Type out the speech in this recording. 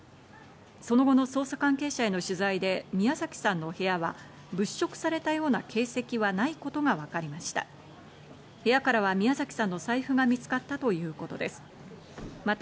その後の捜査関係者への取材で、宮崎さんの部屋は物色されたような形跡はないことがわかりました。